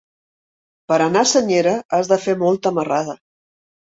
Per anar a Senyera has de fer molta marrada.